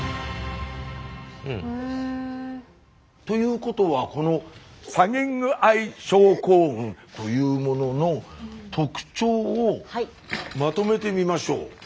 ということはこのサギングアイ症候群というものの特徴をまとめてみましょう。